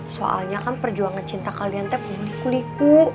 soalnya kan perjuangan cinta kalian tuh liku liku